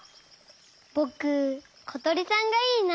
ぼくことりさんがいいな。